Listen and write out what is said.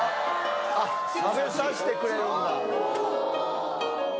あっ、食べさせてくれるんだ。